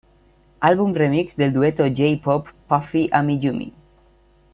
Album Remix del Dueto J-Pop, Puffy AmiYumi.